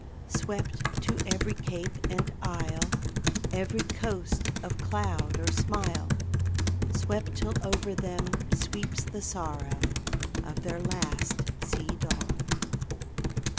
Swept to every cape and isle (Every coast of cloud or smile), Swept till over them sweeps the sorrow Of their last sea dawn.